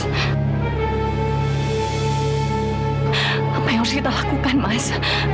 apa yang harus kita lakukan masa